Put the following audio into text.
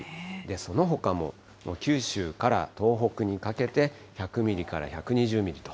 そのほかも九州から東北にかけて、１００ミリから１２０ミリと。